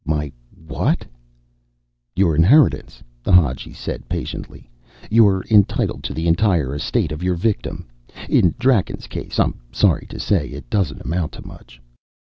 "My what?" "Your inheritance," the Hadji said patiently. "You're entitled to the entire estate of your victim. In Draken's case, I'm sorry to say, it doesn't amount to very much."